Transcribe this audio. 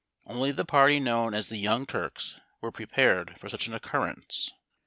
Only the party known as the Young Turks were prepared for such an occurrence.